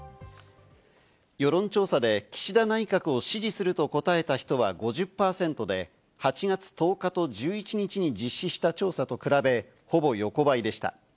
世論調査で岸田内閣を支持すると答えた人は５０％で、８月１０日と１１日に実施した調査と比べほぼ横ばいでした。